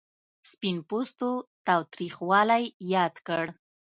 سپین پوستو تاوتریخوالی یاد کړ.